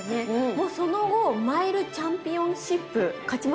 もうその後マイルチャンピオンシップ勝ちましたもんね。